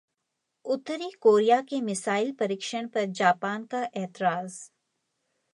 उत्तर Korea के missile परीक्षण पर जापान का ऐतराज